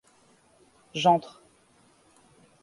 J'entre.